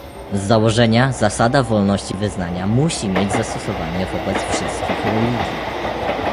Z założenia zasada wolności wyznania musi mieć zastosowanie wobec wszystkich religii